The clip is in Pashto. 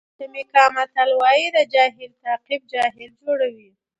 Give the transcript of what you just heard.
د جمیکا متل وایي د جاهل تعقیب جاهل جوړوي.